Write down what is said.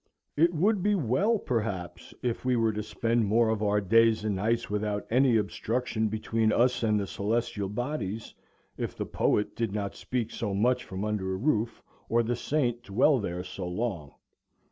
It would be well perhaps if we were to spend more of our days and nights without any obstruction between us and the celestial bodies, if the poet did not speak so much from under a roof, or the saint dwell there so long.